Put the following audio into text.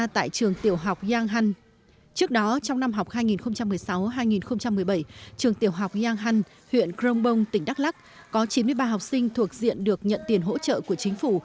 tại trường tiểu học giang hăn trường tiểu học giang hăn huyện crong bông tỉnh đắk lắc có chín mươi ba học sinh thuộc diện được nhận tiền hỗ trợ của chính phủ